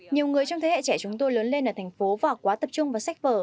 nhiều người trong thế hệ trẻ chúng tôi lớn lên ở thành phố và quá tập trung vào sách vở